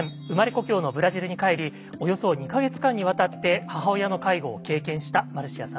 故郷のブラジルに帰りおよそ２か月間にわたって母親の介護を経験したマルシアさんです。